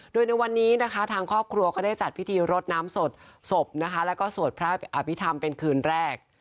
โดยในวันนี้ทางครอบครัวก็ได้จัดพิธีรดน้ำสดสบและสวดพระอภิษฐรรมเป็นคืนแรก